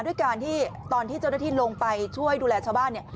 ด้วยการที่ดูแลชาวบ้านที่เจ้าทะธินลงไป